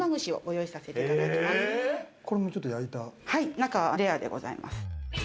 中はレアでございます。